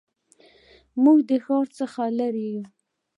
موږ د ښار څخه لرې یو